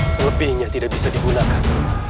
selebihnya tidak bisa digunakan